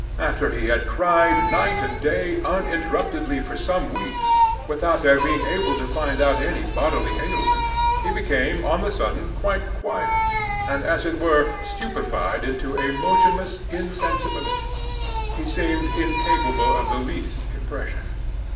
After he had cried night and day uninterruptedly for some weeks, without their being able to find out any bodily ailment, he became on the sudden quite quiet and as it were stupified into a motionless insensibility: he seemed incapable of the least impression.